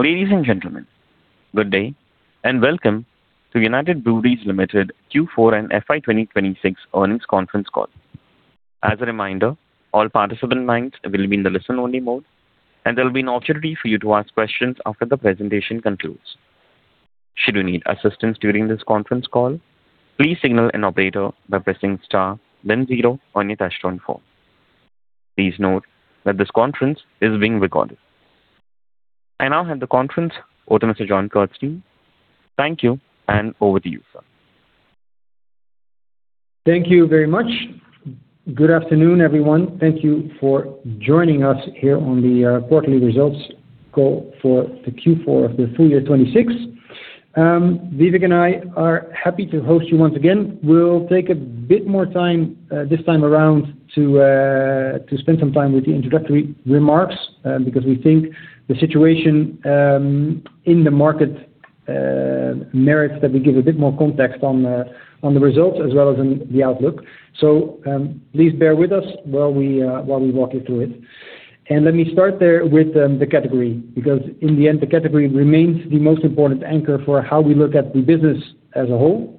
Ladies and gentlemen, good day and welcome to United Breweries Limited Q4 and FY 2026 earnings conference call. As a reminder, all participant lines will be in the listen only mode, and there'll be an opportunity for you to ask questions after the presentation concludes. Should you need assistance during this conference call, please signal an operator by pressing star then zero on your touchtone phone. Please note that this conference is being recorded. I now hand the conference over to Mr. Jorn Kersten. Thank you, over to you, sir. Thank you very much. Good afternoon, everyone. Thank you for joining us here on the quarterly results call for the Q4 of the full year 2026. Vivek and I are happy to host you once again. We'll take a bit more time this time around to spend some time with the introductory remarks because we think the situation in the market merits that we give a bit more context on the results as well as in the outlook. Please bear with us while we walk you through it. Let me start there with the category, because in the end, the category remains the most important anchor for how we look at the business as a whole.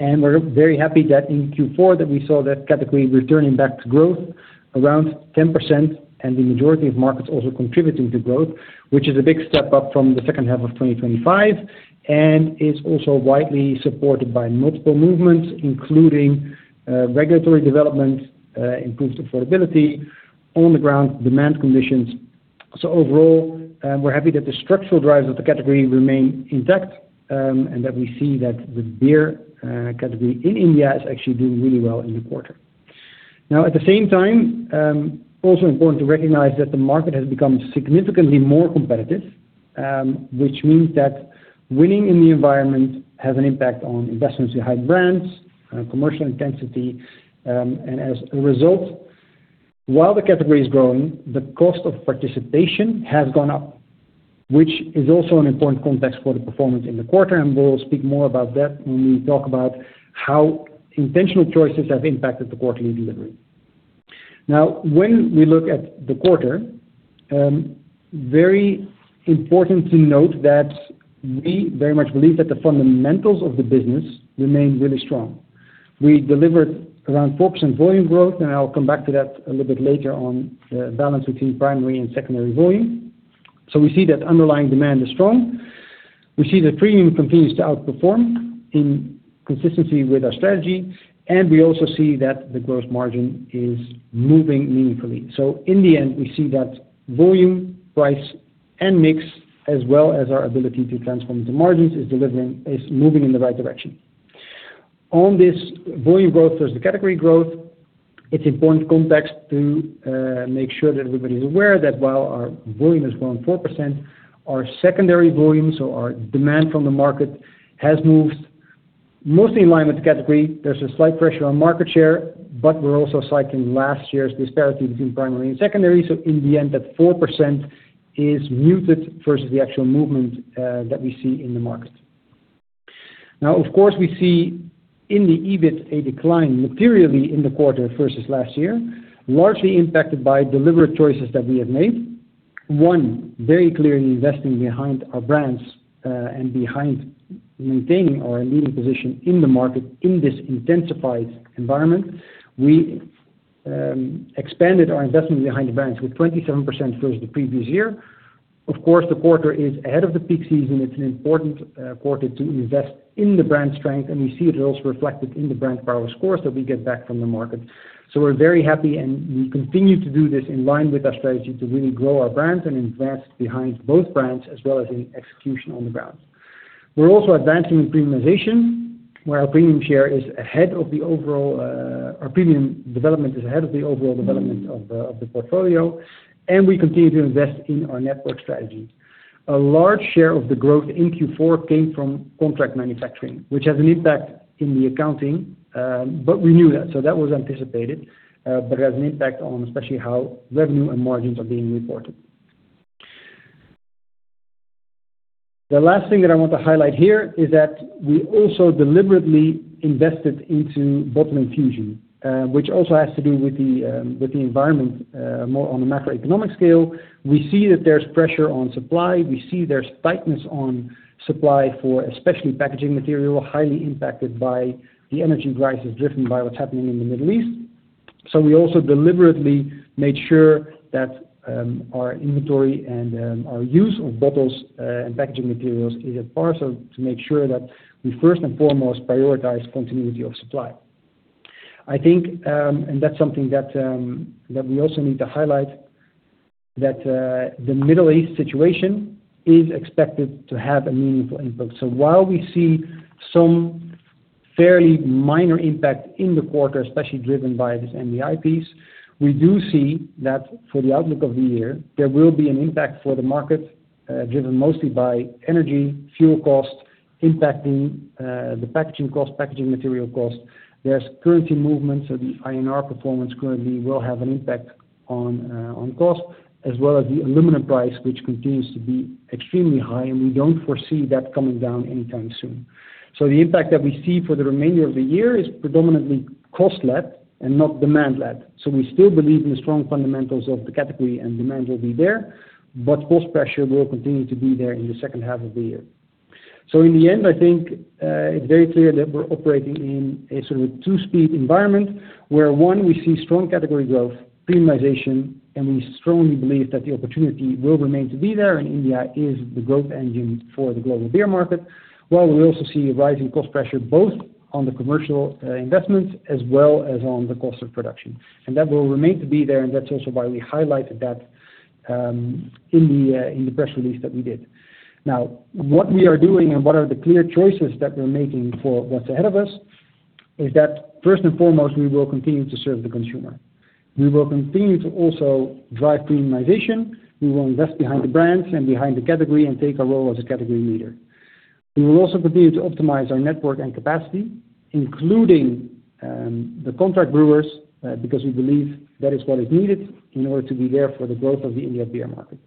We're very happy that in Q4 that we saw that category returning back to growth around 10%, and the majority of markets also contributing to growth, which is a big step up from the second half of 2025 and is also widely supported by multiple movements, including regulatory development, improved affordability, on the ground demand conditions. Overall, we're happy that the structural drivers of the category remain intact, and that we see that the beer category in India is actually doing really well in the quarter. Now, at the same time, also important to recognize that the market has become significantly more competitive, which means that winning in the environment has an impact on investments in high brands, commercial intensity, and as a result, while the category is growing, the cost of participation has gone up. Which is also an important context for the performance in the quarter, and we'll speak more about that when we talk about how intentional choices have impacted the quarterly delivery. Now, when we look at the quarter, very important to note that we very much believe that the fundamentals of the business remain really strong. We delivered around 4% volume growth, and I'll come back to that a little bit later on the balance between primary and secondary volume. We see that underlying demand is strong. We see that premium continues to outperform in consistency with our strategy, and we also see that the gross margin is moving meaningfully. In the end, we see that volume, price and mix, as well as our ability to transform the margins, is moving in the right direction. On this volume growth versus the category growth, it's important context to make sure that everybody is aware that while our volume has grown 4%, our secondary volume, so our demand from the market, has moved mostly in line with category. There's a slight pressure on market share, but we're also cycling last year's disparity between primary and secondary. In the end, that 4% is muted versus the actual movement that we see in the market. Of course, we see in the EBIT a decline materially in the quarter versus last year, largely impacted by deliberate choices that we have made. One, very clearly investing behind our brands and behind maintaining our leading position in the market in this intensified environment. We expanded our investment behind the brands with 27% versus the previous year. The quarter is ahead of the peak season. It's an important quarter to invest in the brand strength, and we see it also reflected in the brand power scores that we get back from the market. We're very happy, and we continue to do this in line with our strategy to really grow our brands and invest behind both brands as well as in execution on the ground. We're also advancing with premiumization, where our premium share is ahead of the overall, our premium development is ahead of the overall development of the portfolio, and we continue to invest in our network strategy. A large share of the growth in Q4 came from contract manufacturing, which has an impact in the accounting, but we knew that, so that was anticipated, but it has an impact on especially how revenue and margins are being reported. The last thing that I want to highlight here is that we also deliberately invested into bottle infusion, which also has to do with the environment, more on the macroeconomic scale. We see that there's pressure on supply. We see there's tightness on supply for especially packaging material, highly impacted by the energy crisis driven by what's happening in the Middle East. We also deliberately made sure that our inventory and our use of bottles and packaging materials is a part of to make sure that we first and foremost prioritize continuity of supply. I think, that's something that we also need to highlight that the Middle East situation is expected to have a meaningful input. While we see some fairly minor impact in the quarter, especially driven by this MDI piece, we do see that for the outlook of the year, there will be an impact for the market, driven mostly by energy, fuel costs impacting the packaging cost, packaging material cost. There's currency movements, so the INR performance currently will have an impact on cost as well as the aluminum price, which continues to be extremely high, and we don't foresee that coming down anytime soon. The impact that we see for the remainder of the year is predominantly cost-led and not demand-led. We still believe in the strong fundamentals of the category and demand will be there, but cost pressure will continue to be there in the second half of the year. In the end, I think, it's very clear that we're operating in a sort of two-speed environment, where 1, we see strong category growth, premiumization, and we strongly believe that the opportunity will remain to be there, and India is the growth engine for the global beer market. We also see a rising cost pressure, both on the commercial investments as well as on the cost of production. That will remain to be there, and that's also why we highlighted that in the in the press release that we did. Now, what we are doing and what are the clear choices that we're making for what's ahead of us is that, first and foremost, we will continue to serve the consumer. We will continue to also drive premiumization. We will invest behind the brands and behind the category and take a role as a category leader. We will also continue to optimize our network and capacity, including the contract brewers, because we believe that is what is needed in order to be there for the growth of the India beer market.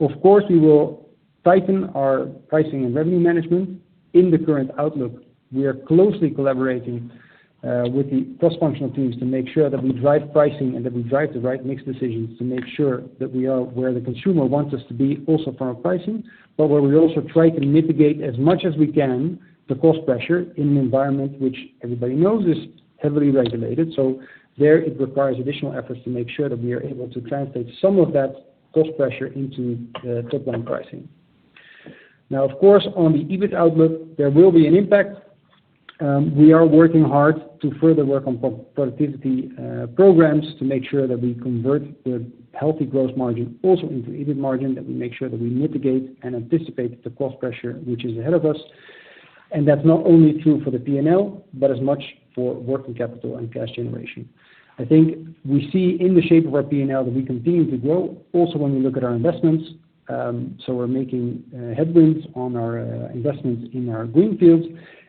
Of course, we will tighten our pricing and revenue management in the current outlook. We are closely collaborating with the cross-functional teams to make sure that we drive pricing and that we drive the right mix decisions to make sure that we are where the consumer wants us to be also from our pricing, but where we also try to mitigate as much as we can the cost pressure in an environment which everybody knows is heavily regulated. There, it requires additional efforts to make sure that we are able to translate some of that cost pressure into top-line pricing. Of course, on the EBIT outlook, there will be an impact. We are working hard to further work on pro-productivity programs to make sure that we convert the healthy growth margin also into EBIT margin, that we make sure that we mitigate and anticipate the cost pressure which is ahead of us. That's not only true for the P&L, but as much for working capital and cash generation. I think we see in the shape of our P&L that we continue to grow also when we look at our investments. We're making headwinds on our investments in our greenfields,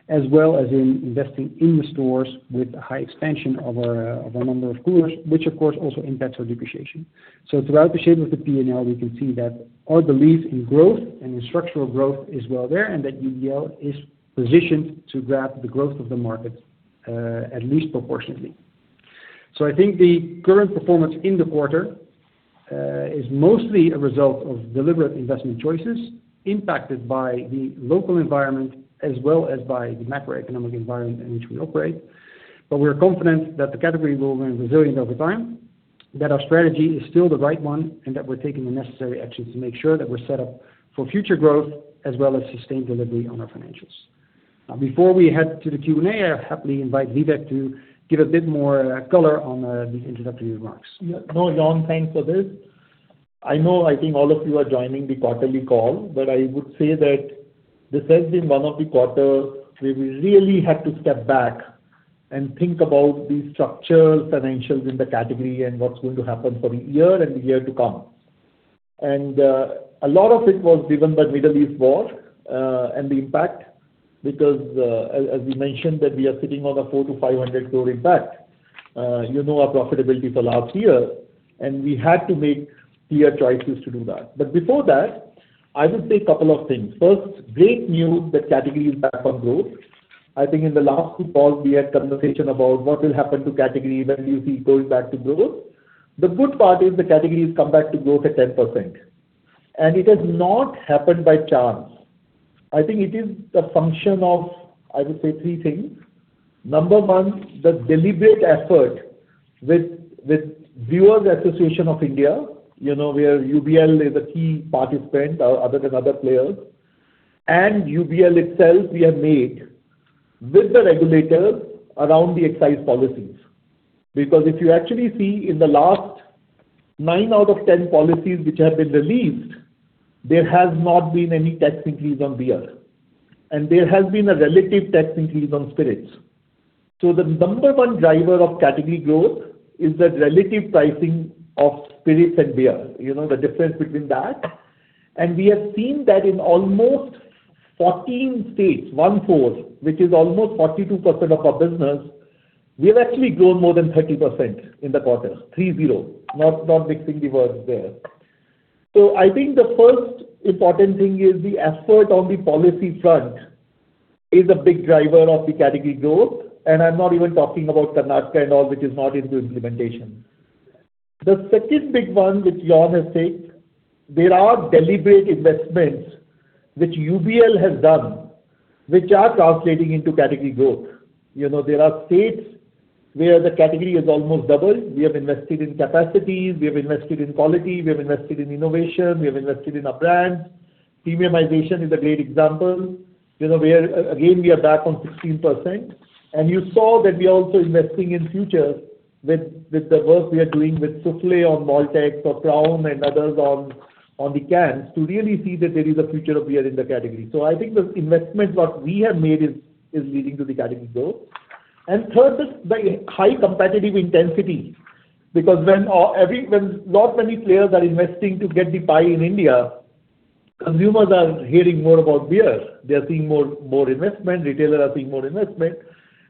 as well as in investing in the stores with high expansion of our number of coolers, which of course also impacts our depreciation. Throughout the shape of the P&L, we can see that our belief in growth and in structural growth is well there, and that UBL is positioned to grab the growth of the market at least proportionately. I think the current performance in the quarter is mostly a result of deliberate investment choices impacted by the local environment as well as by the macroeconomic environment in which we operate. We're confident that the category will remain resilient over time, that our strategy is still the right one, and that we're taking the necessary actions to make sure that we're set up for future growth as well as sustained delivery on our financials. Before we head to the Q&A, I happily invite Vivek to give a bit more color on the introductory remarks. Jorn, thanks for this. I know, I think all of you are joining the quarterly call, I would say that this has been one of the quarters where we really had to step back and think about the structural financials in the category and what's going to happen for the year and the year to come. A lot of it was driven by Middle East war and the impact because as we mentioned, that we are sitting on an 400-500 crore impact. You know our profitability for last year, we had to make clear choices to do that. Before that, I would say a couple of things. First, great news that category is back on growth. I think in the last two calls, we had conversation about what will happen to category, when we see going back to growth. The good part is the category has come back to growth at 10%, and it has not happened by chance. I think it is the function of, I would say, three things. Number one, the deliberate effort with Brewers Association of India, you know, where UBL is a key participant other than other players, and UBL itself we have made with the regulators around the excise policies. If you actually see in the last nine out of 10 policies which have been released, there has not been any tax increase on beer, and there has been a relative tax increase on spirits. The number 1 driver of category growth is the relative pricing of spirits and beer. You know the difference between that. We have seen that in almost 14 states, one-four, which is almost 42% of our business, we have actually grown more than 30% in the quarter, three-zero. Not, not mixing the words there. I think the first important thing is the effort on the policy front is a big driver of the category growth, and I'm not even talking about Karnataka and all, which is not into implementation. The second big one which Jorn has said, there are deliberate investments which UBL has done which are translating into category growth. You know, there are states where the category has almost doubled. We have invested in capacities, we have invested in quality, we have invested in innovation, we have invested in our brands. Premiumization is a great example. You know, we are again, we are back on 16%. You saw that we are also investing in future with the work we are doing with Soufflet on Maltex or Crown and others on the cans to really see that there is a future of beer in the category. I think the investment what we have made is leading to the category growth. Third is the high competitive intensity, because when not many players are investing to get the pie in India, consumers are hearing more about beer. They are seeing more investment, retailers are seeing more investment,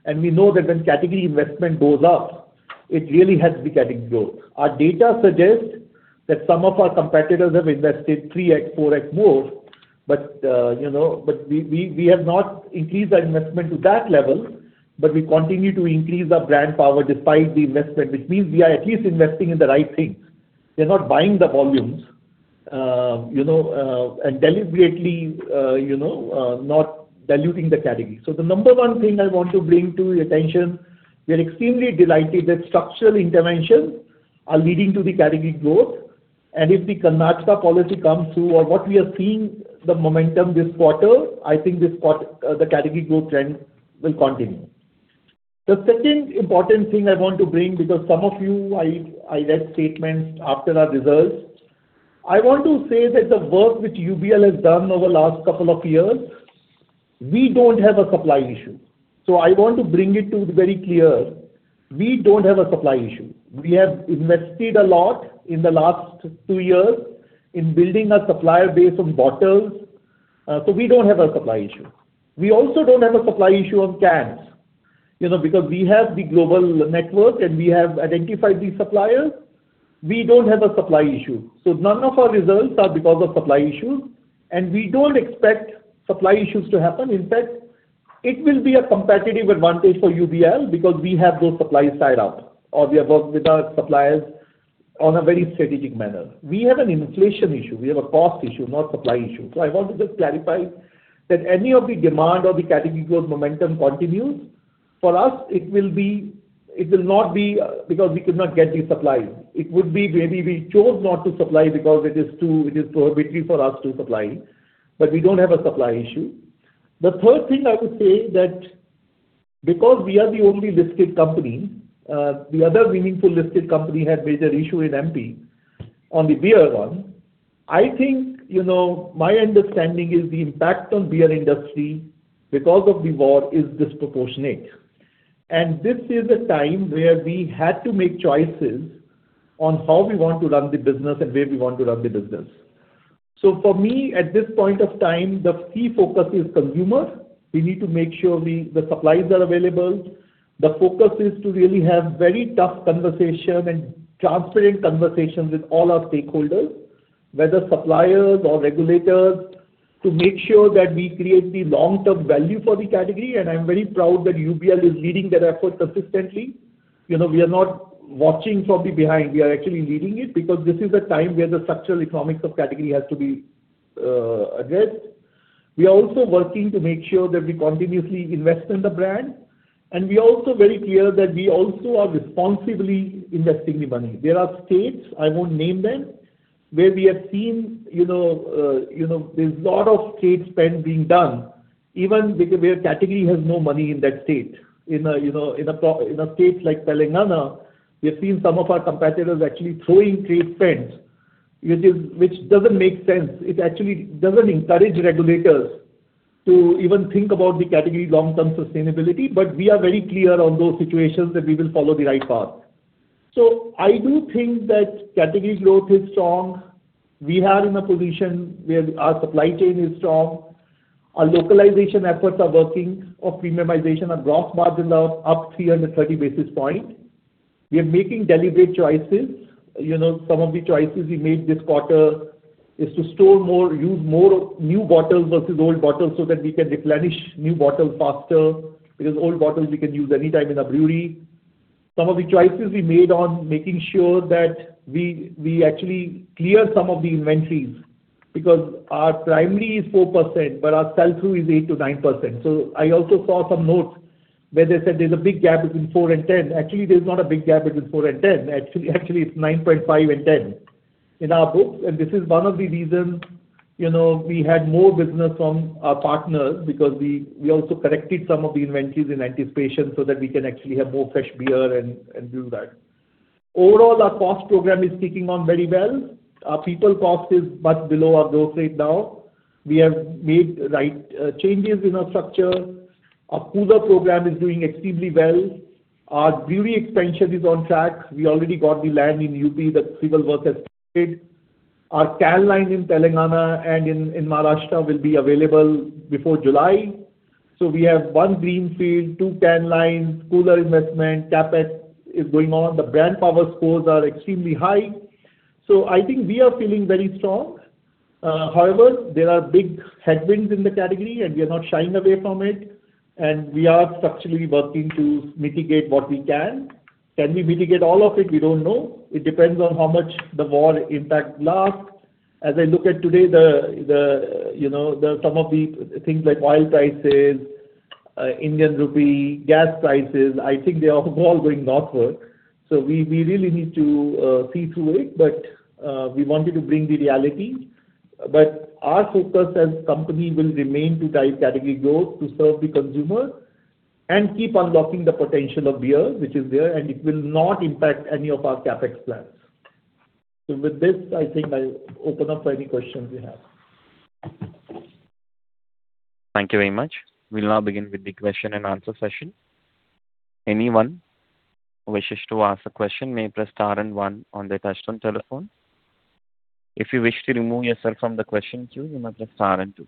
and we know that when category investment goes up, it really helps the category grow. Our data suggests that some of our competitors have invested 3x, 4x more. You know, we have not increased our investment to that level, but we continue to increase our brand power despite the investment, which means we are at least investing in the right things. They're not buying the volumes, you know, and deliberately, you know, not diluting the category. The number one thing I want to bring to your attention, we're extremely delighted that structural interventions are leading to the category growth. If the Karnataka policy comes through or what we are seeing the momentum this quarter, I think the category growth trend will continue. The second important thing I want to bring because some of you I read statements after our results. I want to say that the work which UBL has done over last couple of years, we don't have a supply issue. I want to bring it to very clear, we don't have a supply issue. We have invested a lot in the last two years in building a supplier base of bottles, we don't have a supply issue. We also don't have a supply issue on cans, you know, because we have the global network, and we have identified these suppliers. We don't have a supply issue. None of our results are because of supply issues, and we don't expect supply issues to happen. In fact, it will be a competitive advantage for UBL because we have those suppliers tied up or we have worked with our suppliers on a very strategic manner. We have an inflation issue. We have a cost issue, not supply issue. I want to just clarify that any of the demand or the category growth momentum continues, for us it will not be because we could not get the supplies. It would be maybe we chose not to supply because it is too prohibitive for us to supply, but we don't have a supply issue. The third thing I would say that because we are the only listed company, the other meaningful listed company had major issue in MP on the beer one. I think, you know, my understanding is the impact on beer industry because of the war is disproportionate. This is a time where we had to make choices on how we want to run the business and where we want to run the business. For me, at this point of time, the key focus is consumer. We need to make sure we the supplies are available. The focus is to really have very tough conversation and transparent conversations with all our stakeholders, whether suppliers or regulators, to make sure that we create the long-term value for the category, and I'm very proud that UBL is leading that effort consistently. You know, we are not watching from the behind. We are actually leading it because this is a time where the structural economics of category has to be addressed. We are also working to make sure that we continuously invest in the brand, and we are also very clear that we also are responsibly investing the money. There are states, I won't name them, where we have seen, you know, you know, there's lot of trade spend being done even where category has no money in that state. In a, you know, in a state like Telangana, we have seen some of our competitors actually throwing trade spends, which is which doesn't make sense. It actually doesn't encourage regulators to even think about the category long-term sustainability. We are very clear on those situations that we will follow the right path. I do think that category growth is strong. We are in a position where our supply chain is strong. Our localization efforts are working. Our premiumization, our gross margins are up 330 basis points. We are making deliberate choices. You know, some of the choices we made this quarter is to store more, use more new bottles versus old bottles so that we can replenish new bottles faster because old bottles we can use any time in our brewery. Some of the choices we made on making sure that we actually clear some of the inventories because our primary is 4%, but our sell-through is 8%-9%. I also saw some notes where they said there's a big gap between four and 10. Actually, there's not a big gap between four and 10. Actually, it's 9.5 and 10 in our books. This is one of the reasons, you know, we had more business from our partners because we also corrected some of the inventories in anticipation so that we can actually have more fresh beer and do that. Overall, our cost program is ticking on very well. Our people cost is much below our goal rate now. We have made right changes in our structure. Our cooler program is doing extremely well. Our brewery expansion is on track. We already got the land in U.P. The civil work has started. Our can line in Telangana and in Maharashtra will be available before July. We have one greenfield, two can lines, cooler investment, CapEx is going on. The brand power scores are extremely high. I think we are feeling very strong. However, there are big headwinds in the category, and we are not shying away from it, and we are structurally working to mitigate what we can. Can we mitigate all of it? We don't know. It depends on how much the war impact lasts. As I look at today, the, you know, the some of the things like oil prices, Indian rupee, gas prices, I think they are all going northward. We really need to see through it. We wanted to bring the reality. Our focus as company will remain to drive category growth, to serve the consumer and keep unlocking the potential of beer which is there, and it will not impact any of our CapEx plans. With this, I think I open up for any questions you have. Thank you very much. We'll now begin with the question and answer session. Anyone who wishes to ask a question may press star and one on their touch-tone telephone. If you wish to remove yourself from the question queue, you may press star and two.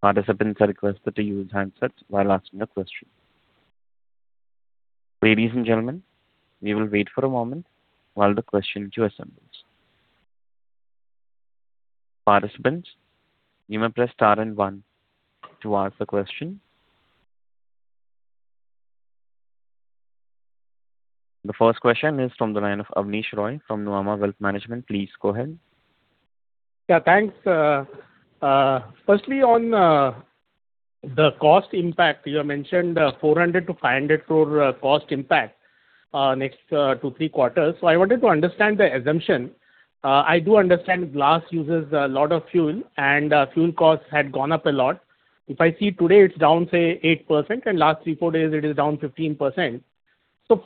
Participants are requested to use handsets while asking the question. Ladies and gentlemen, we will wait for a moment while the question queue assembles. Participants, you may press star and one to ask the question. The first question is from the line of Abneesh Roy from Nuvama Wealth Management. Please go ahead. Yeah, thanks. Firstly, on the cost impact, you mentioned 400-500 crore cost impact next 2-3 quarters. I wanted to understand the assumption. I do understand glass uses a lot of fuel and fuel costs had gone up a lot. If I see today, it's down, say, 8%, and last 3-4 days it is down 15%.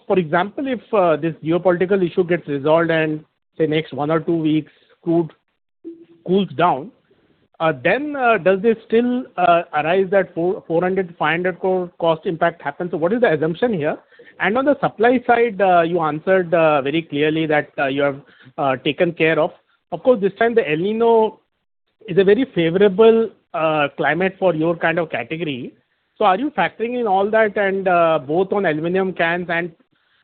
For example, if this geopolitical issue gets resolved in, say, next one or two weeks, crude cools down, then does this still arise that 400-500 crore cost impact happen? What is the assumption here? On the supply side, you answered very clearly that you have taken care of. Of course, this time the El Niño is a very favorable, climate for your kind of category. Are you factoring in all that and, both on aluminum cans and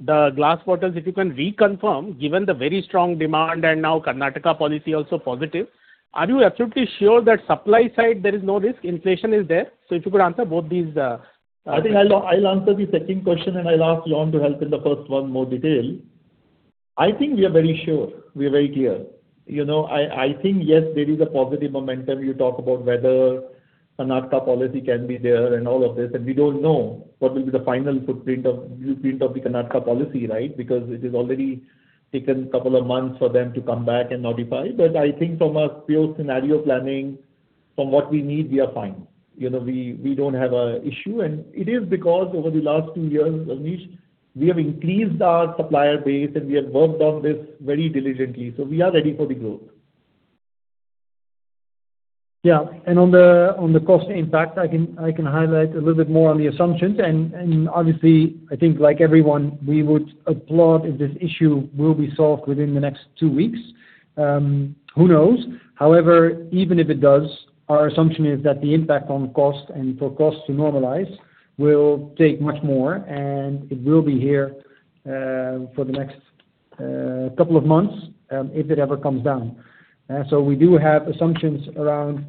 the glass bottles, if you can reconfirm, given the very strong demand and now Karnataka policy also positive? Are you absolutely sure that supply side there is no risk, inflation is there? If you could answer both these. I think I'll answer the second question, and I'll ask Jorn to help in the first one more detail. I think we are very sure. We are very clear. You know, I think, yes, there is a positive momentum. You talk about whether Karnataka policy can be there and all of this, we don't know what will be the final blueprint of the Karnataka policy, right? It has already taken couple of months for them to come back and notify. I think from a pure scenario planning from what we need, we are fine. You know, we don't have a issue. It is because over the last two years, Abneesh, we have increased our supplier base and we have worked on this very diligently, so we are ready for the growth. Yeah. On the cost impact, I can highlight a little bit more on the assumptions. Obviously, I think like everyone, we would applaud if this issue will be solved within the next two weeks. Who knows? However, even if it does, our assumption is that the impact on cost and for cost to normalize will take much more, and it will be here for the next couple of months, if it ever comes down. So we do have assumptions around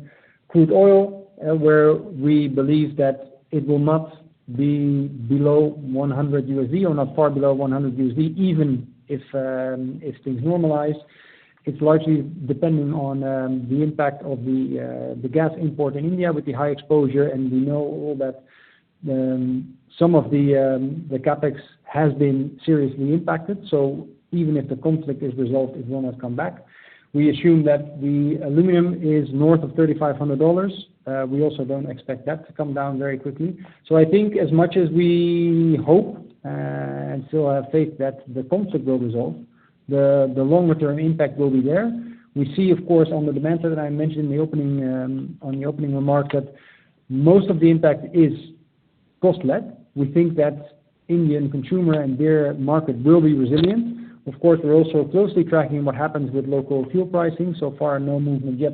crude oil, where we believe that it will not be below $100 or not far below $100 even if things normalize. It's largely dependent on the impact of the gas import in India with the high exposure. We know all that, some of the CapEx has been seriously impacted. Even if the conflict is resolved, it will not come back. We assume that the aluminum is north of $3,500. We also don't expect that to come down very quickly. I think as much as we hope and still have faith that the conflict will resolve, the longer term impact will be there. We see, of course, on the demand side that I mentioned in the opening, on the opening remarks, that most of the impact is cost-led. We think that Indian consumer and beer market will be resilient. Of course, we're also closely tracking what happens with local fuel pricing. So far, no movement yet.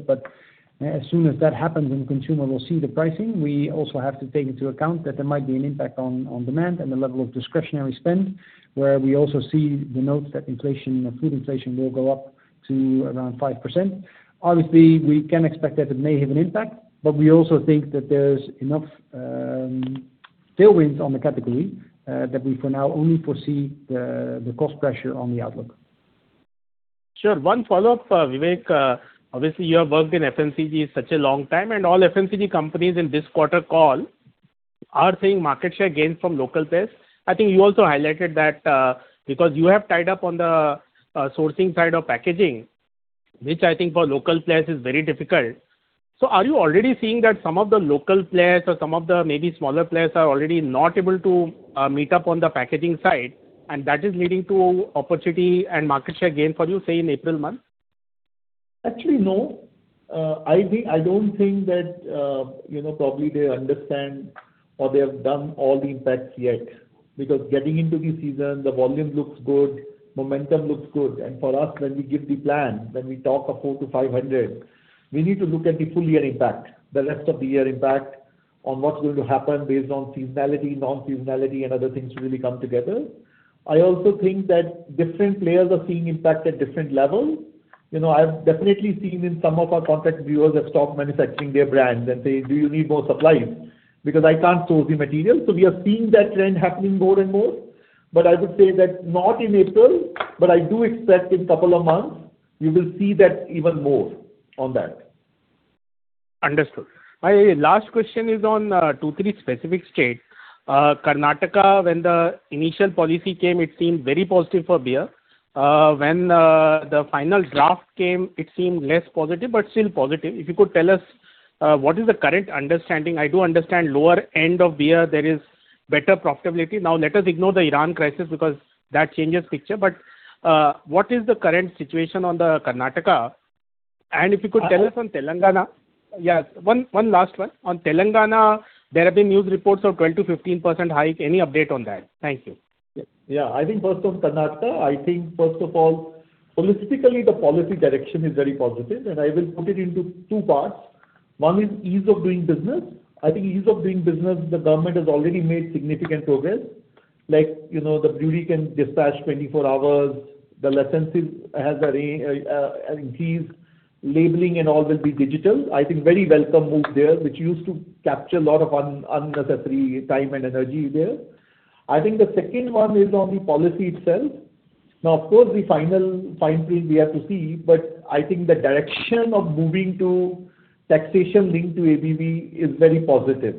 As soon as that happens and consumer will see the pricing, we also have to take into account that there might be an impact on demand and the level of discretionary spend, where we also see the notes that inflation, food inflation will go up to around 5%. Obviously, we can expect that it may have an impact, but we also think that there's enough tailwinds on the category that we for now only foresee the cost pressure on the outlook. Sure. One follow-up, Vivek. Obviously you have worked in FMCG such a long time, and all FMCG companies in this quarter call are saying market share gains from local players. I think you also highlighted that, because you have tied up on the sourcing side of packaging, which I think for local players is very difficult. Are you already seeing that some of the local players or some of the maybe smaller players are already not able to meet up on the packaging side and that is leading to opportunity and market share gain for you, say in April month? Actually, no. I don't think that, you know, probably they understand or they have done all the impacts yet. Getting into the season, the volume looks good, momentum looks good. For us, when we give the plan, when we talk of 400-500, we need to look at the full year impact, the rest of the year impact on what's going to happen based on seasonality, non-seasonality and other things really come together. I also think that different players are seeing impact at different levels. You know, I've definitely seen in some of our contract brewers have stopped manufacturing their brands and say, "Do you need more supplies? Because I can't source the material." We are seeing that trend happening more and more. I would say that not in April, but I do expect in couple of months you will see that even more on that. Understood. My last question is on the 2, 3 specific state. Karnataka, when the initial policy came, it seemed very positive for beer. When the final draft came, it seemed less positive, but still positive. If you could tell us what is the current understanding. I do understand lower end of beer there is better profitability. Now let us ignore the Iran crisis because that changes picture. What is the current situation on the Karnataka? If you could tell us on Telangana. One last one. On Telangana, there have been news reports of 12% to 15% hike. Any update on that? Thank you. Yeah. I think first on Karnataka, I think first of all, politically the policy direction is very positive. I will put it into two parts. One is ease of doing business. I think ease of doing business, the government has already made significant progress. Like, you know, the brewery can dispatch 24 hours. The licenses has a increase. Labeling and all will be digital. I think very welcome move there, which used to capture a lot of unnecessary time and energy there. I think the second one is on the policy itself. Now, of course, the final fine print we have to see. I think the direction of moving to taxation linked to ABV is very positive.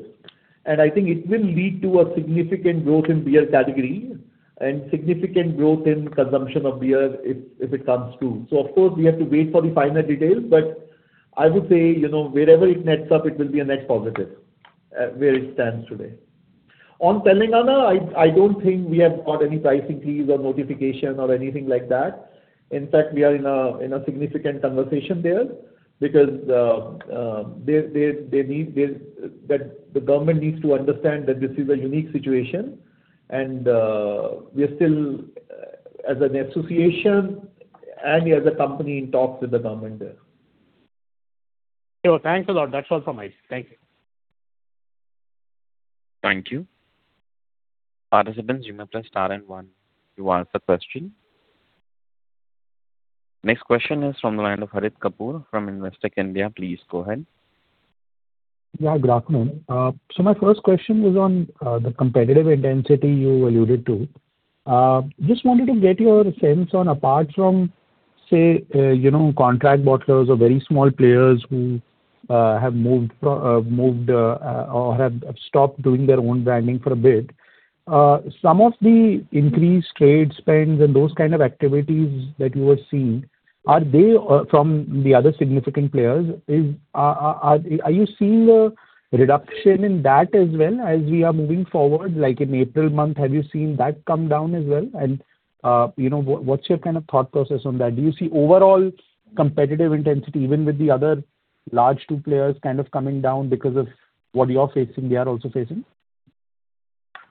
I think it will lead to a significant growth in beer category and significant growth in consumption of beer if it comes through. Of course, we have to wait for the final details, but I would say, you know, wherever it nets up, it will be a net positive where it stands today. On Telangana, I don't think we have got any pricing fees or notification or anything like that. In fact, we are in a significant conversation there because the government needs to understand that this is a unique situation and we are still as an association and as a company in talks with the government there. Sure. Thanks a lot. That's all from my side. Thank you. Thank you. Participants, you may press star and one to ask a question. Next question is from the line of Harit Kapoor from Investec India. Please go ahead. Yeah, good afternoon. My first question was on the competitive intensity you alluded to. Just wanted to get your sense on apart from say, you know, contract bottlers or very small players who have moved, or have stopped doing their own branding for a bit. Some of the increased trade spends and those kind of activities that you are seeing, are they from the other significant players? Are you seeing a reduction in that as well as we are moving forward? Like in April month, have you seen that come down as well? You know, what's your kind of thought process on that? Do you see overall competitive intensity even with the other large two players kind of coming down because of what you're facing they are also facing?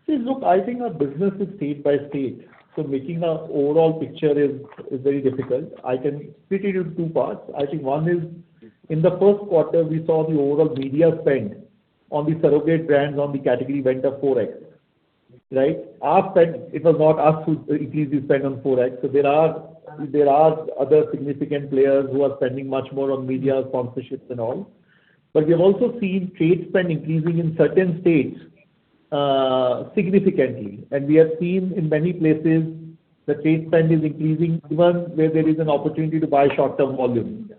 See, look, I think our business is state by state, making a overall picture is very difficult. I can split it in two parts. I think one is in the first quarter we saw the overall media spend on the surrogate brands on the category went up 4x, right? Our spend, it was not us who increased the spend on 4x. There are other significant players who are spending much more on media sponsorships and all. We have also seen trade spend increasing in certain states significantly. We have seen in many places the trade spend is increasing even where there is an opportunity to buy short-term volume.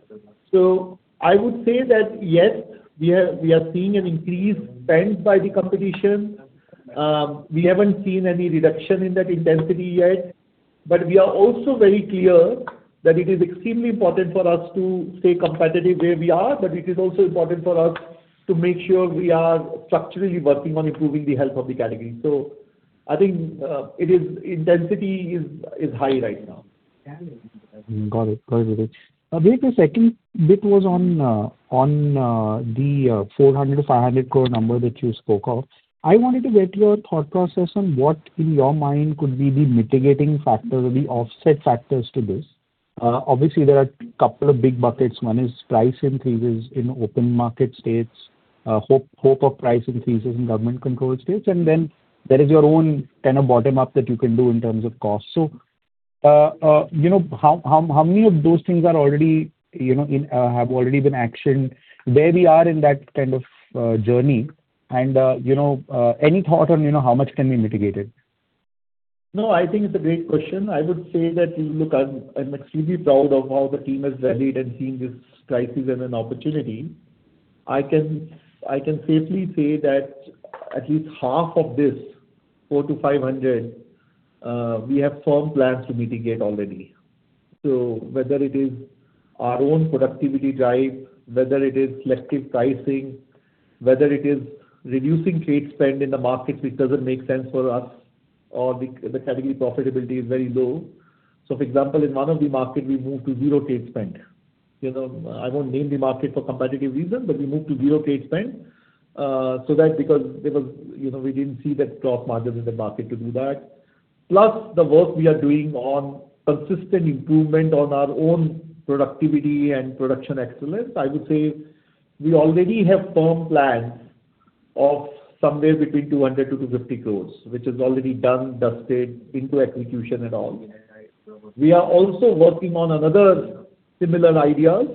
I would say that yes, we are seeing an increased spend by the competition. We haven't seen any reduction in that intensity yet. We are also very clear that it is extremely important for us to stay competitive where we are, but it is also important for us to make sure we are structurally working on improving the health of the category. I think, it is intensity is high right now. Got it. Got it, Vivek. The second bit was on the 400-500 crore number that you spoke of. I wanted to get your thought process on what in your mind could be the mitigating factor or the offset factors to this. Obviously there are couple of big buckets. One is price increases in open market states. Hope of price increases in government controlled states. Then there is your own kind of bottom up that you can do in terms of cost. You know, how many of those things are already, you know, in have already been actioned? Where we are in that kind of journey, you know, any thought on, you know, how much can be mitigated? No, I think it's a great question. I would say that, look, I'm extremely proud of how the team has rallied and seen this crisis as an opportunity. I can safely say that at least half of this, 400-500, we have firm plans to mitigate already. Whether it is our own productivity drive, whether it is selective pricing, whether it is reducing trade spend in the markets which doesn't make sense for us or the category profitability is very low. For example, in one of the market we moved to zero trade spend. You know, I won't name the market for competitive reasons, but we moved to zero trade spend, so that because there was, you know, we didn't see that gross margin in the market to do that. The work we are doing on consistent improvement on our own productivity and production excellence, I would say we already have firm plans of somewhere between 200-250 crores, which is already done, dusted into execution and all. We are also working on another similar ideas,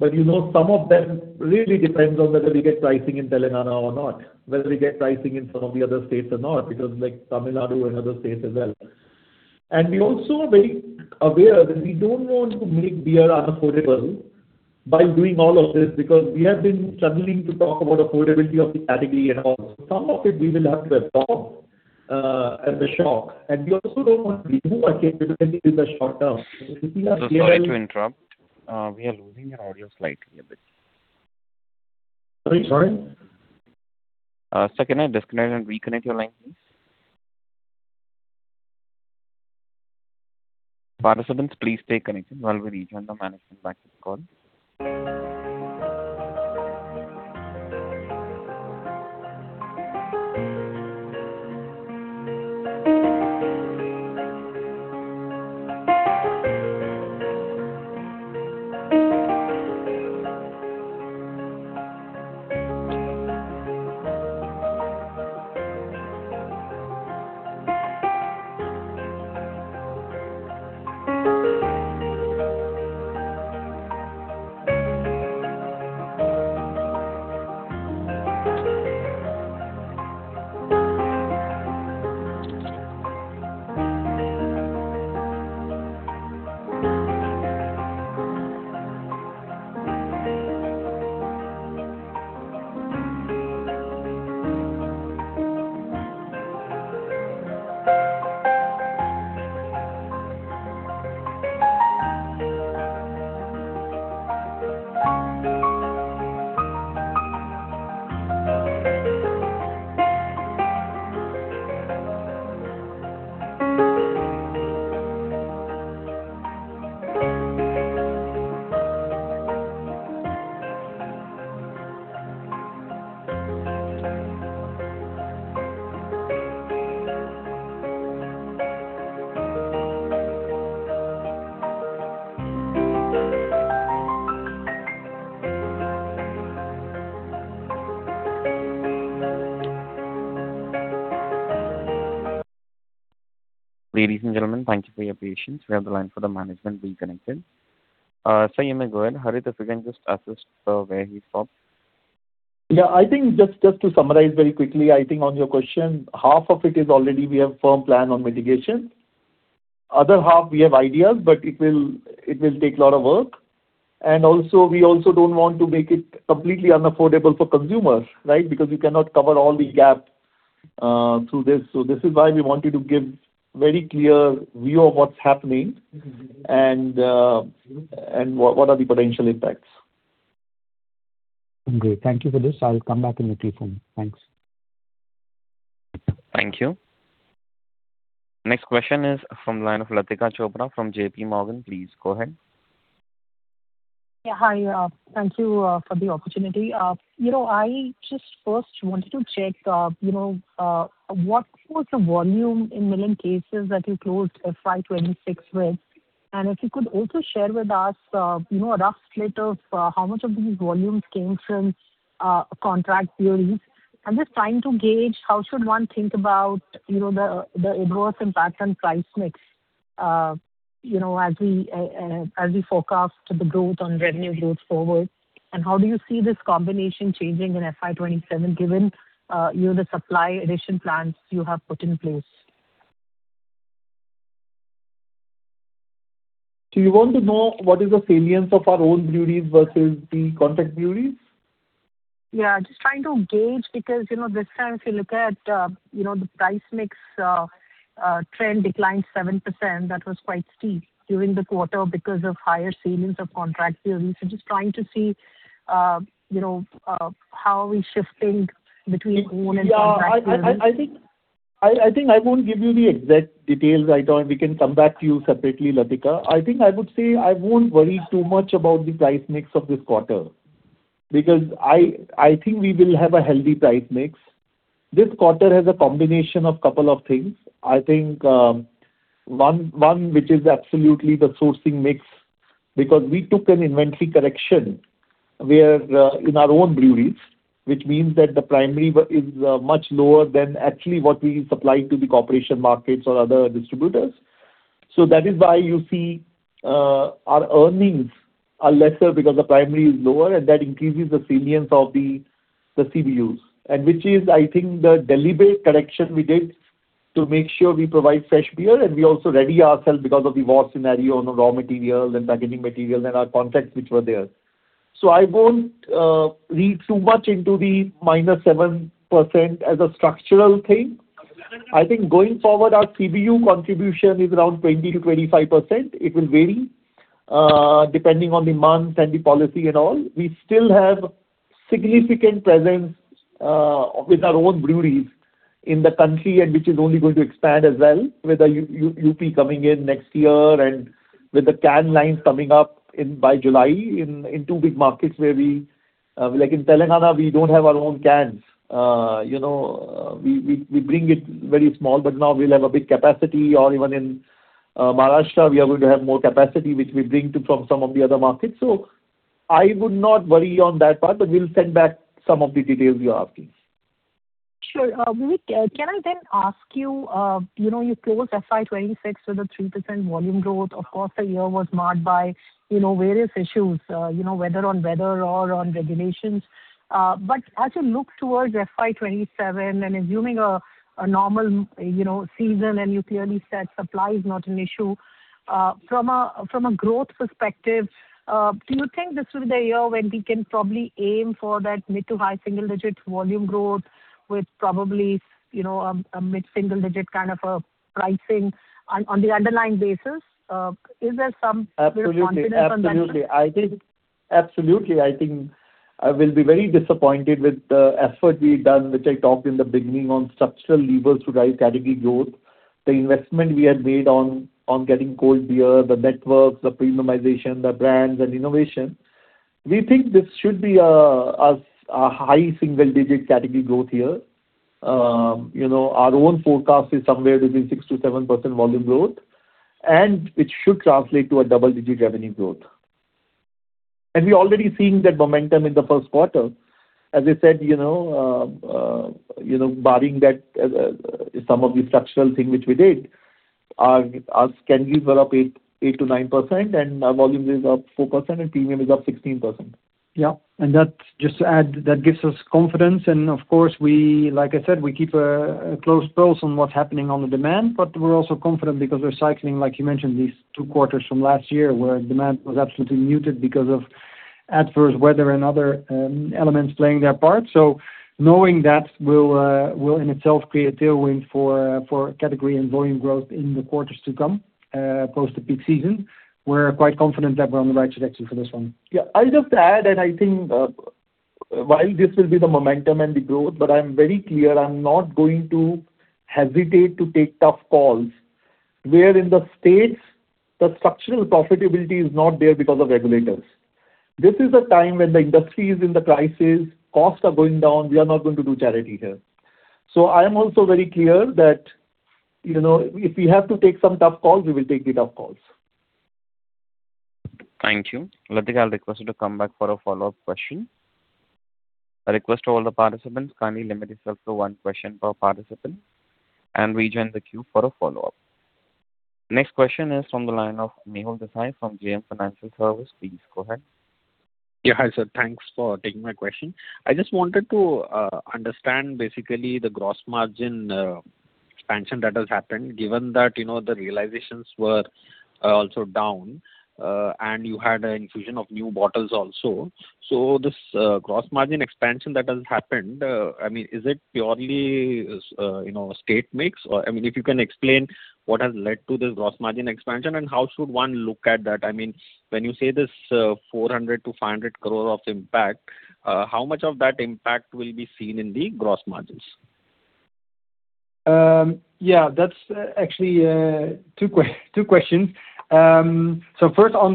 you know some of them really depends on whether we get pricing in Telangana or not, whether we get pricing in some of the other states or not, because like Tamil Nadu and other states as well. We also are very aware that we don't want to make beer unaffordable by doing all of this because we have been struggling to talk about affordability of the category and all. Some of it we will have to absorb, at the shock, and we also don't want to remove our capability in the short term because we are clear. Sorry to interrupt. We are losing your audio slightly a bit. Sorry. Sorry. Sir, can I disconnect and reconnect your line, please? Participants, please stay connected while we return the management back to the call. Ladies and gentlemen, thank you for your patience. We have the line for the management reconnected. Sir, you may go ahead. Harit, if you can just assist, where he stopped. Yeah, I think just to summarize very quickly, I think on your question, half of it is already we have firm plan on mitigation. Other half, we have ideas, but it will take a lot of work. Also, we also don't want to make it completely unaffordable for consumers, right? Because we cannot cover all the gap through this. This is why we wanted to give very clear view of what's happening. What are the potential impacts? Great. Thank you for this. I'll come back in the queue for more. Thanks. Thank you. Next question is from line of Latika Chopra from JPMorgan. Please go ahead. Yeah, hi. Thank you for the opportunity. You know, I just first wanted to check, you know, what was the volume in million cases that you closed FY 2026 with? If you could also share with us, you know, a rough split of how much of these volumes came from contract breweries. I'm just trying to gauge how should one think about, you know, the accruals impact on price mix, you know, as we forecast the growth on revenue growth forward. How do you see this combination changing in FY 2027, given, you know, the supply addition plans you have put in place? Do you want to know what is the salience of our own breweries versus the contract breweries? Yeah, just trying to gauge because, you know, this time if you look at, you know, the price mix, trend declined 7%, that was quite steep during the quarter because of higher salience of contract breweries. Just trying to see, you know, how are we shifting between own and contract breweries. Yeah, I think I won't give you the exact details right now. We can come back to you separately, Latika. I think I would say I won't worry too much about the price mix of this quarter because I think we will have a healthy price mix. This quarter has a combination of couple of things. I think one which is absolutely the sourcing mix, because we took an inventory correction where in our own breweries, which means that the primary is much lower than actually what we supply to the corporation markets or other distributors. That is why you see our earnings are lesser because the primary is lower, and that increases the salience of the CBUs. Which is, I think, the deliberate correction we did to make sure we provide fresh beer, and we also ready ourselves because of the war scenario on the raw materials and packaging materials and our contracts which were there. I won't read too much into the -7% as a structural thing. I think going forward, our CBU contribution is around 20%-25%. It will vary depending on the month and the policy and all. We still have significant presence with our own breweries in the country, which is only going to expand as well with the U.P. coming in next year and with the can lines coming up by July in two big markets where we, like in Telangana, we don't have our own cans. You know, we bring it very small, but now we'll have a big capacity. Even in Maharashtra, we are going to have more capacity, which we bring to from some of the other markets. I would not worry on that part, but we'll send back some of the details you are asking. Sure. Can I then ask you know, you closed FY 2026 with a 3% volume growth. Of course, the year was marred by, you know, various issues, you know, whether on weather or on regulations. As you look towards FY 2027 and assuming a normal, you know, season, and you clearly said supply is not an issue, from a growth perspective, do you think this will be the year when we can probably aim for that mid to high single-digit volume growth with probably, you know, a mid-single digit kind of a pricing on the underlying basis? Absolutely. -bit confidence on that? Absolutely. I think I will be very disappointed with the effort we've done, which I talked in the beginning on structural levers to drive category growth. The investment we had made on getting cold beer, the networks, the premiumization, the brands and innovation. We think this should be a high single-digit category growth year. You know, our own forecast is somewhere between 6%-7% volume growth. It should translate to a double-digit revenue growth. We already seeing that momentum in the first quarter. As I said, you know, barring that, some of the structural thing which we did, our secondaries were up 8%-9%, and our volume is up 4% and premium is up 16%. Yeah. That's just to add, that gives us confidence and, of course, like I said, we keep a close pulse on what's happening on the demand. We're also confident because we're cycling, like you mentioned, these two quarters from last year where demand was absolutely muted because of adverse weather and other elements playing their part. Knowing that will in itself create a tailwind for category and volume growth in the quarters to come post the peak season. We're quite confident that we're on the right trajectory for this one. Yeah. I'll just add that I think, while this will be the momentum and the growth, I'm very clear I'm not going to hesitate to take tough calls where in the states the structural profitability is not there because of regulators. This is a time when the industry is in the crisis, costs are going down, we are not going to do charity here. I am also very clear that, you know, if we have to take some tough calls, we will take the tough calls. Thank you. Latika, I'll request you to come back for a follow-up question. A request to all the participants, kindly limit yourself to one question per participant and rejoin the queue for a follow-up. Next question is from the line of Mehul Desai from JM Financial Services. Please go ahead. Hi sir. Thanks for taking my question. I just wanted to understand basically the gross margin expansion that has happened, given that, you know, the realizations were also down, and you had an infusion of new bottles also. This gross margin expansion that has happened, I mean, is it purely, you know, state mix? I mean, if you can explain what has led to this gross margin expansion, and how should one look at that? I mean, when you say this 400 crore-500 crore of impact, how much of that impact will be seen in the gross margins? Yeah, that's actually two questions. First on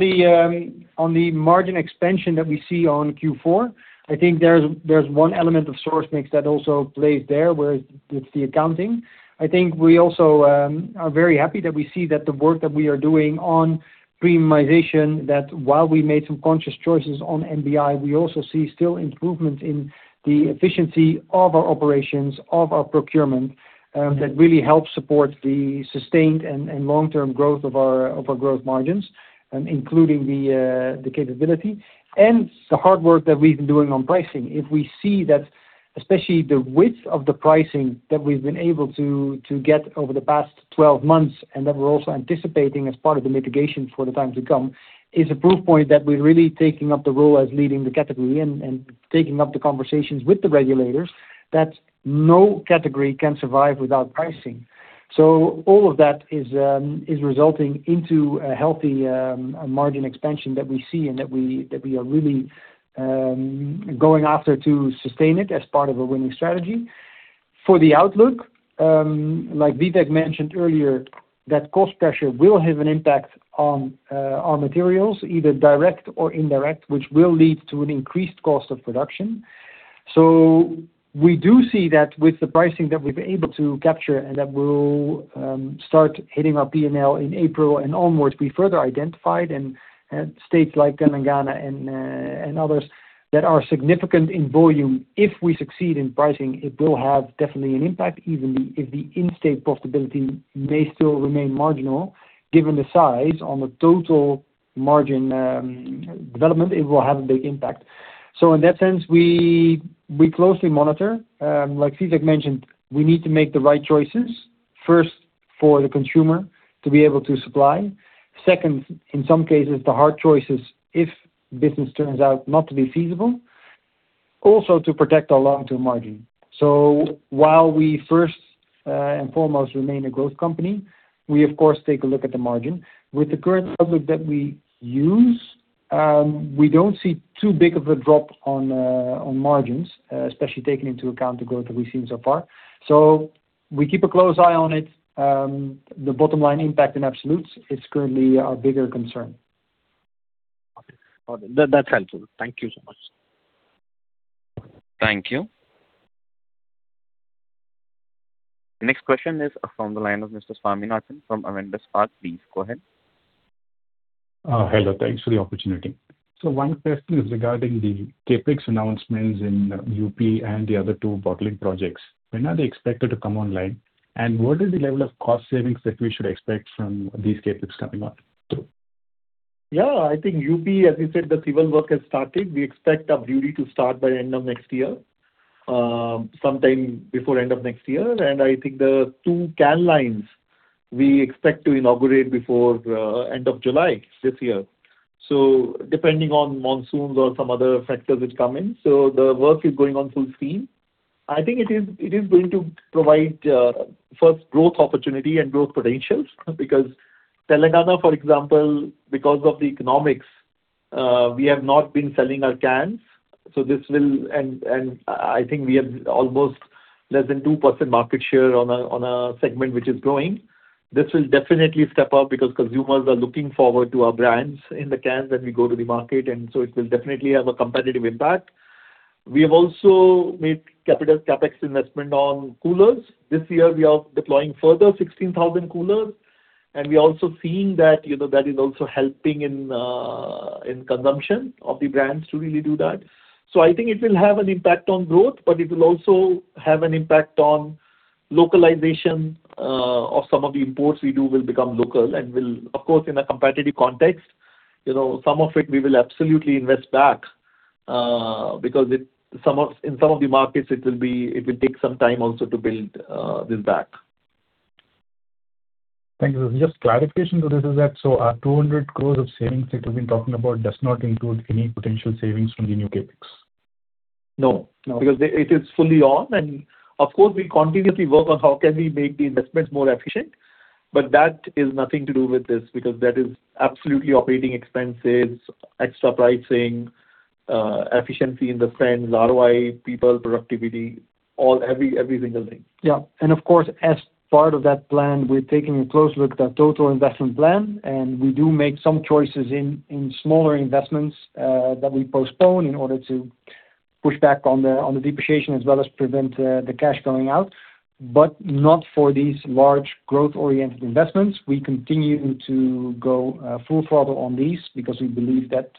the margin expansion that we see on Q4, I think there is one element of source mix that also plays there, where it's the accounting. I think we also are very happy that we see that the work that we are doing on premiumization, that while we made some conscious choices on NBI, we also see still improvement in the efficiency of our operations, of our procurement, that really helps support the sustained and long-term growth of our growth margins, including the capability and the hard work that we've been doing on pricing. If we see that, especially the width of the pricing that we've been able to get over the past 12 months, and that we're also anticipating as part of the mitigation for the time to come, is a proof point that we're really taking up the role as leading the category and taking up the conversations with the regulators that no category can survive without pricing. All of that is resulting into a healthy margin expansion that we see and that we are really going after to sustain it as part of a winning strategy. For the outlook, like Vivek Gupta mentioned earlier, that cost pressure will have an impact on our materials, either direct or indirect, which will lead to an increased cost of production. We do see that with the pricing that we've been able to capture and that will start hitting our P&L in April and onwards, we further identified in states like Telangana and others that are significant in volume, if we succeed in pricing, it will have definitely an impact. Even if the in-state profitability may still remain marginal, given the size on the total margin development, it will have a big impact. In that sense, we closely monitor. Like Vivek mentioned, we need to make the right choices, first, for the consumer to be able to supply. Second, in some cases, the hard choices if business turns out not to be feasible, also to protect our long-term margin. While we first and foremost remain a growth company, we of course take a look at the margin. With the current outlook that we use, we don't see too big of a drop on margins, especially taking into account the growth that we've seen so far. We keep a close eye on it. The bottom line impact in absolutes is currently our bigger concern. Okay. That's helpful. Thank you so much. Thank you. Next question is from the line of Mr. Swaminathan from Avendus Spark. Please go ahead. Hello. Thanks for the opportunity. One question is regarding the CapEx announcements in U.P. and the other two bottling projects. When are they expected to come online, and what is the level of cost savings that we should expect from these CapEx coming on through? Yeah. I think U.P., as we said, the civil work has started. We expect our brewery to start by end of next year, sometime before end of next year. I think the two can lines we expect to inaugurate before end of July this year, depending on monsoons or some other factors which come in. The work is going on full steam. I think it is going to provide first growth opportunity and growth potentials because Telangana, for example, because of the economics, we have not been selling our cans. I think we have almost less than 2% market share on a segment which is growing. This will definitely step up because consumers are looking forward to our brands in the cans when we go to the market, and so it will definitely have a competitive impact. We have also made capital CapEx investment on coolers. This year we are deploying further 16,000 coolers, and we also seeing that, you know, that is also helping in consumption of the brands to really do that. I think it will have an impact on growth, but it will also have an impact on localization of some of the imports we do will become local and will Of course, in a competitive context, you know, some of it we will absolutely invest back because in some of the markets it will take some time also to build this back. Thank you. Just clarification to this is that, so our 200 crore of savings that you've been talking about does not include any potential savings from the new CapEx? No. No. It is fully on, and of course, we continuously work on how can we make the investments more efficient. That is nothing to do with this because that is absolutely operating expenses, extra pricing, efficiency in the spend, ROI, people productivity, all every single thing. Yeah. Of course, as part of that plan, we're taking a close look at our total investment plan, and we do make some choices in smaller investments, that we postpone in order to push back on the, on the depreciation as well as prevent, the cash going out. Not for these large growth-oriented investments. We continue to go full throttle on these because we believe that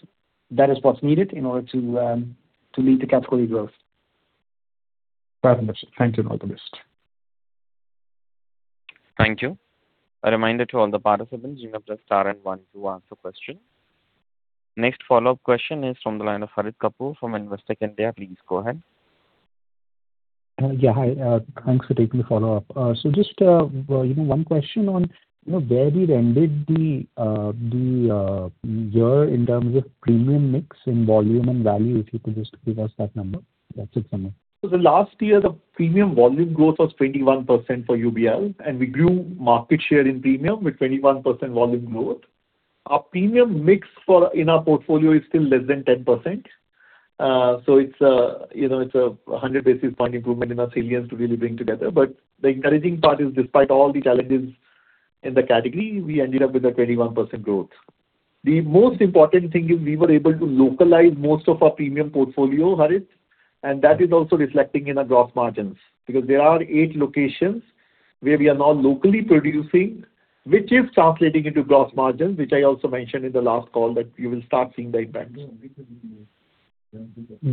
that is what's needed in order to lead the category growth. Fair enough, sir. Thank you. All the best. Thank you. A reminder to all the participants, you may press star and one to ask a question. Next follow-up question is from the line of Harit Kapoor from Investec India. Please go ahead. Yeah, hi. Thanks for taking the follow-up. Just, you know, one question on, you know, where we've ended the year in terms of premium mix in volume and value, if you could just give us that number. That's it for me. The last year, the premium volume growth was 21% for UBL, and we grew market share in premium with 21% volume growth. Our premium mix for in our portfolio is still less than 10%. It's, you know, it's a 100 basis point improvement in our sales to really bring together. The encouraging part is despite all the challenges in the category, we ended up with a 21% growth. The most important thing is we were able to localize most of our premium portfolio, Harit, and that is also reflecting in our gross margins because there are eight locations where we are now locally producing, which is translating into gross margins, which I also mentioned in the last call that you will start seeing the impact.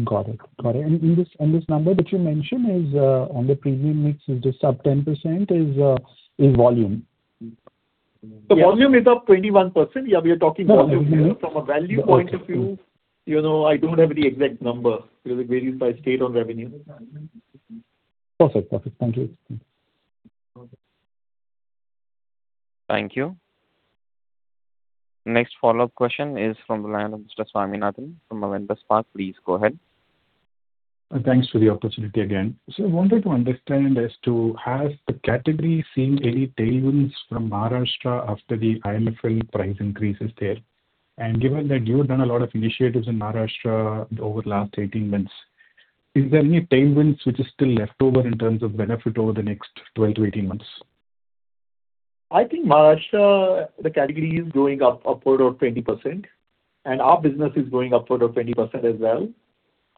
Got it. Got it. This number which you mentioned is on the premium mix is just sub 10% is volume? The volume is up 21%. Yeah, we are talking volume here. No, premium. From a value point of view- Okay, sure. You know, I don't have the exact number because it varies by state or revenue. Perfect. Perfect. Thank you. Thank you. Next follow-up question is from the line of Mr. Swaminathan from Avendus Spark. Please go ahead. Thanks for the opportunity again. I wanted to understand as to has the category seen any tailwinds from Maharashtra after the IMFL price increases there? Given that you have done a lot of initiatives in Maharashtra over the last 18 months, is there any tailwinds which is still left over in terms of benefit over the next 12-18 months? I think Maharashtra, the category is growing upward of 20%, and our business is growing upward of 20% as well.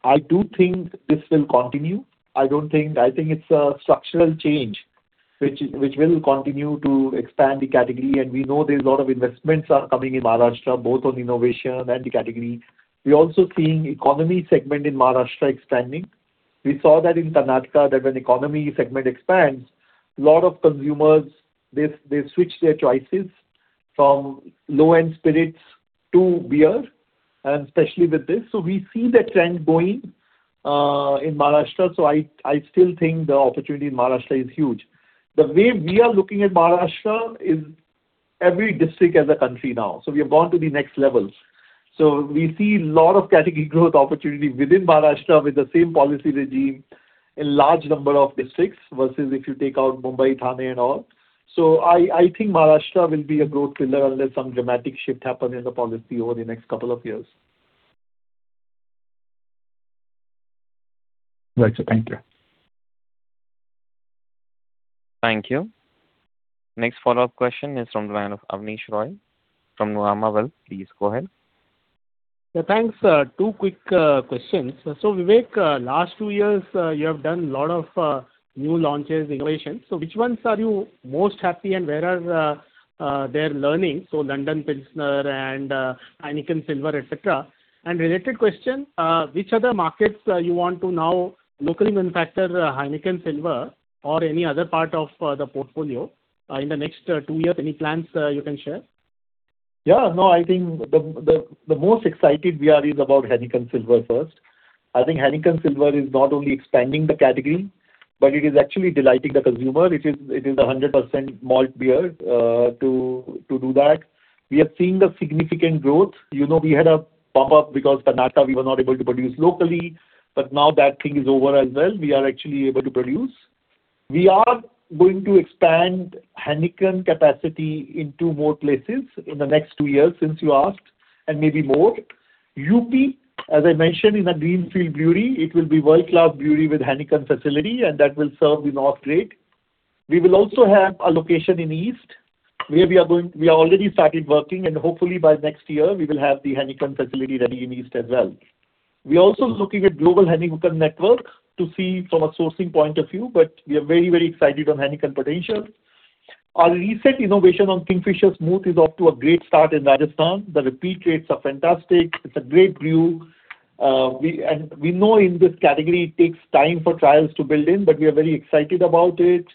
I do think this will continue. I think it's a structural change which will continue to expand the category. We know there's a lot of investments are coming in Maharashtra, both on innovation and the category. We're also seeing economy segment in Maharashtra expanding. We saw that in Karnataka that when economy segment expands, lot of consumers they switch their choices from low-end spirits to beer, and especially with this. We see that trend going in Maharashtra. I still think the opportunity in Maharashtra is huge. The way we are looking at Maharashtra is every district as a country now. We have gone to the next levels. We see lot of category growth opportunity within Maharashtra with the same policy regime in large number of districts versus if you take out Mumbai, Thane and all. I think Maharashtra will be a growth pillar unless some dramatic shift happen in the policy over the next couple of years. Right, sir. Thank you. Thank you. Next follow-up question is from the line of Abneesh Roy from Nuvama Wealth. Please go ahead. Yeah, thanks. Two quick questions. Vivek, last two years, you have done a lot of new launches, innovations. Which ones are you most happy and where are their learning? London Pilsner and Heineken Silver, etc. Related question, which other markets, you want to now locally manufacture Heineken Silver or any other part of the portfolio, in the next two years? Any plans you can share? Yeah, no, I think the most excited we are is about Heineken Silver first. I think Heineken Silver is not only expanding the category, but it is actually delighting the consumer. It is 100% malt beer to do that. We have seen the significant growth. You know, we had a bump up because Karnataka we were not able to produce locally, but now that thing is over as well. We are actually able to produce. We are going to expand Heineken capacity in two more places in the next two years since you asked, and maybe more. U.P., as I mentioned, is a greenfield brewery. It will be world-class brewery with Heineken facility. That will serve the North trade. We will also have a location in East where we already started working. Hopefully by next year we will have the Heineken facility ready in East as well. We are also looking at global Heineken network to see from a sourcing point of view. We are very, very excited on Heineken potential. Our recent innovation on Kingfisher Smooth is off to a great start in Rajasthan. The repeat rates are fantastic. It's a great brew. We know in this category it takes time for trials to build in. We are very excited about it.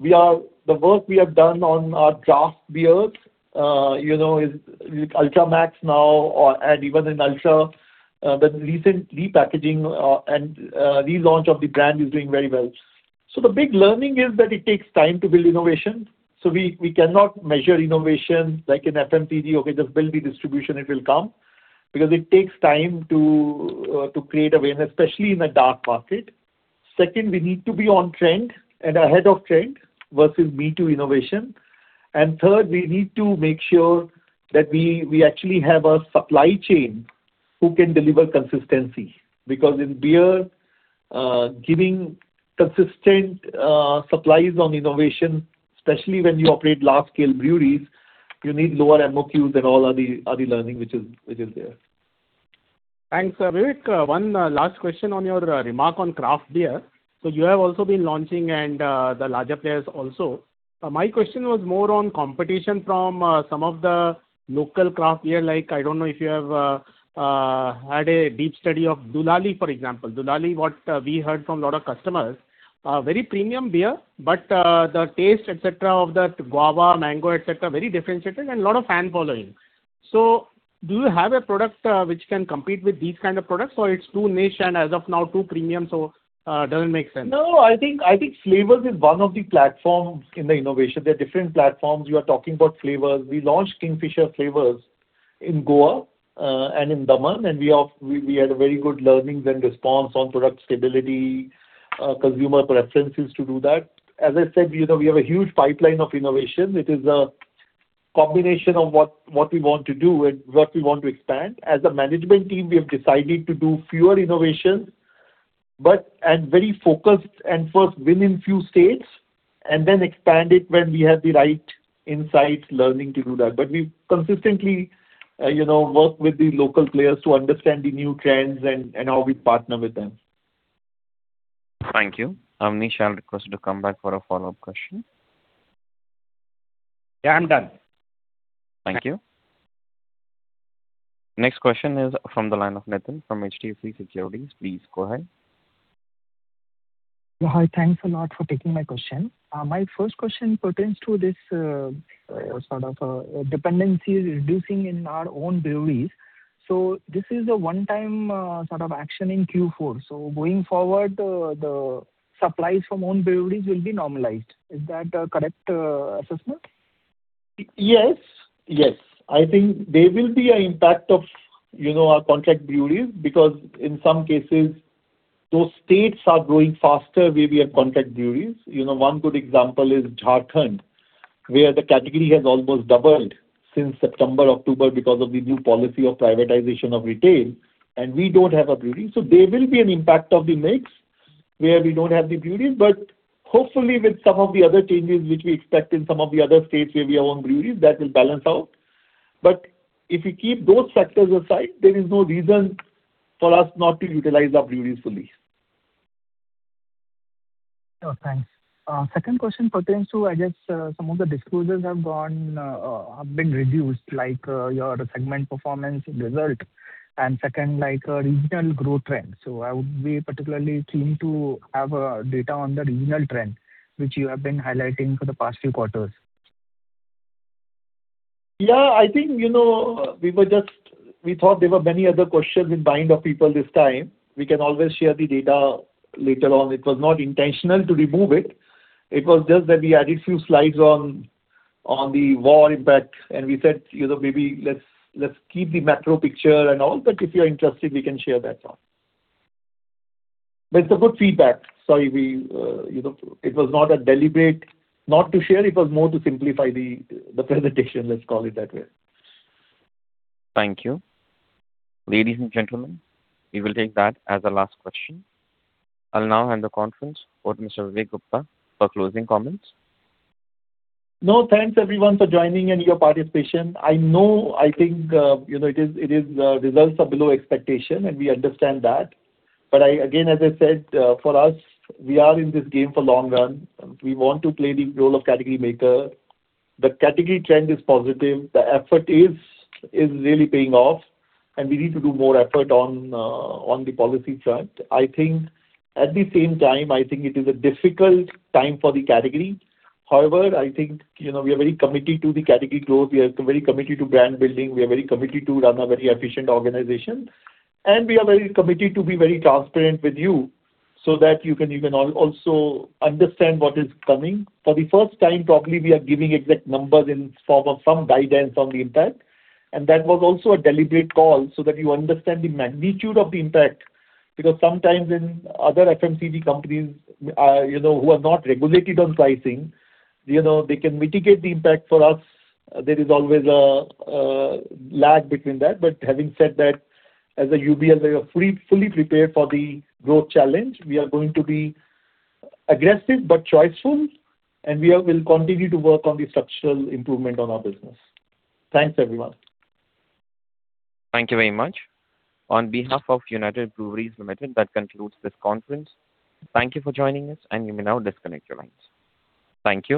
The work we have done on our draft beers, you know, is with Ultra Max now or, and even in Ultra, the recent repackaging, and relaunch of the brand is doing very well. The big learning is that it takes time to build innovation. We cannot measure innovation like in FMCG. Okay, just build the distribution, it will come. Because it takes time to create awareness, especially in a dark market. Second, we need to be on trend and ahead of trend versus me-too innovation. Third, we need to make sure that we actually have a supply chain who can deliver consistency because in beer, giving consistent supplies on innovation, especially when you operate large-scale breweries, you need lower MOQs and all other learning which is there. Thanks, Vivek. One last question on your remark on craft beer. You have also been launching and the larger players also. My question was more on competition from some of the local craft beer, like, I don't know if you have had a deep study of Doolally, for example. Doolally, what we heard from a lot of customers, very premium beer, but the taste, et cetera, of that guava, mango, et cetera, very differentiated and lot of fan following. Do you have a product which can compete with these kind of products, or it's too niche and as of now too premium, doesn't make sense? No, I think flavors is one of the platforms in the innovation. There are different platforms. You are talking about flavors. We launched Kingfisher flavors in Goa and in Daman, we had a very good learnings and response on product stability, consumer preferences to do that. As I said, you know, we have a huge pipeline of innovation. It is a combination of what we want to do and what we want to expand. As a management team, we have decided to do fewer innovations, and very focused and first win in few states and then expand it when we have the right insights, learning to do that. We consistently, you know, work with the local players to understand the new trends and how we partner with them. Thank you. Abneesh, I'll request you to come back for a follow-up question. Yeah, I'm done. Thank you. Next question is from the line of Nitin from HDFC Securities. Please go ahead. Yeah. Hi. Thanks a lot for taking my question. My first question pertains to this, sort of, dependency reducing in our own breweries. This is a one-time, sort of action in Q4. Going forward, the supplies from own breweries will be normalized. Is that a correct assessment? Yes. Yes. I think there will be an impact of, you know, our contract breweries because in some cases those states are growing faster where we have contract breweries. You know, one good example is Jharkhand, where the category has almost doubled since September, October because of the new policy of privatization of retail, and we don't have a brewery. There will be an impact of the mix where we don't have the breweries. Hopefully with some of the other changes which we expect in some of the other states where we own breweries, that will balance out. If you keep those factors aside, there is no reason for us not to utilize our breweries fully. Oh, thanks. Second question pertains to, I guess, some of the disclosures have gone, have been reduced, like your segment performance result, and second, like regional growth trend. I would be particularly keen to have data on the regional trend which you have been highlighting for the past few quarters. Yeah. I think, you know, we thought there were many other questions in mind of people this time. We can always share the data later on. It was not intentional to remove it. It was just that we added few slides on the war impact and we said, you know, maybe let's keep the macro picture and all, but if you're interested we can share that as well. It's a good feedback. Sorry, we, you know, it was not a deliberate not to share. It was more to simplify the presentation, let's call it that way. Thank you. Ladies and gentlemen, we will take that as the last question. I'll now hand the conference over to Mr. Vivek Gupta for closing comments. No, thanks everyone for joining and your participation. I know, I think, you know, it is results are below expectation. We understand that. I, again, as I said, for us, we are in this game for long run. We want to play the role of category maker. The category trend is positive. The effort is really paying off. We need to do more effort on the policy front. At the same time, I think it is a difficult time for the category. However, I think, you know, we are very committed to the category growth. We are very committed to brand building. We are very committed to run a very efficient organization. We are very committed to be very transparent with you so that you can even also understand what is coming. For the first time probably we are giving exact numbers in form of some guidance on the impact, and that was also a deliberate call so that you understand the magnitude of the impact. Because sometimes in other FMCG companies, you know, who are not regulated on pricing, you know, they can mitigate the impact. For us, there is always a lag between that. Having said that, as a UB, as we are fully prepared for the growth challenge, we are going to be aggressive but choice-full, and we will continue to work on the structural improvement on our business. Thanks, everyone. Thank you very much. On behalf of United Breweries Limited, that concludes this conference. Thank you for joining us, and you may now disconnect your lines. Thank you.